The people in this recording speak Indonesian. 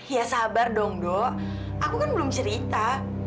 ya sabar dong dok aku kan belum cerita